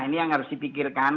ini yang harus dipikirkan